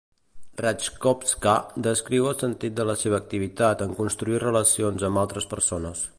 Rajkowska descriu el sentit de la seva activitat en construir relacions amb altres persones.